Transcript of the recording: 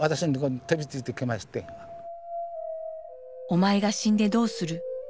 「お前が死んでどうする」。